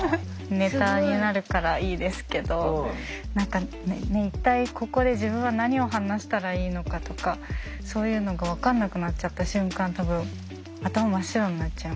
ネタになるからいいですけど何か一体ここで自分は何を話したらいいのかとかそういうのが分かんなくなっちゃった瞬間多分頭真っ白になっちゃいますよね。